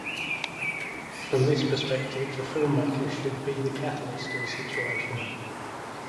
From this perspective, the filmmaker should be the catalyst of a situation.